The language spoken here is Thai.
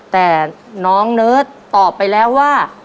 แต่น้องเนิร์ดตอบไปแล้วว่า